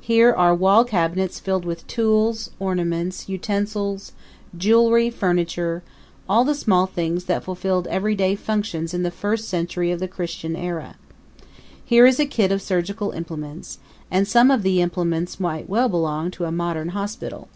Here are wall cabinets filled with tools, ornaments, utensils, jewelry, furniture all the small things that fulfilled everyday functions in the first century of the Christian era. Here is a kit of surgical implements, and some of the implements might well belong to a modern hospital.